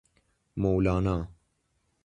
مولانا